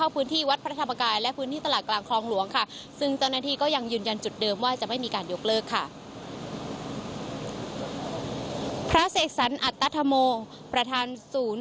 พระสงค์อัตตาธรรมประธานศูนย์